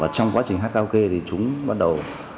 trong quá trình hát karaoke thì chúng bắt đầu